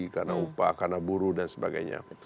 karena upah karena buruh dan sebagainya